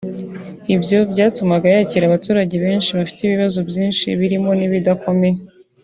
Ibyo byatumaga yakira abaturage benshi bafite ibibazo byinshi birimo n’ibidakomeye